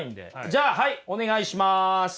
じゃあはいお願いします。